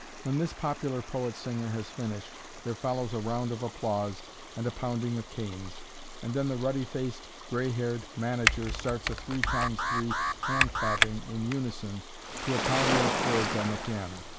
When this popular poet singer has finished, there follows a round of applause and a pounding of canes, and then the ruddy faced, gray haired manager starts a three times three handclapping in unison to a pounding of chords on the piano.